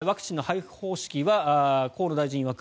ワクチンの配布方式は河野大臣いわく